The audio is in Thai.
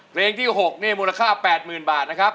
เพลงที่หกเน่มูลค่าแปดหมื่นบาทนะครับ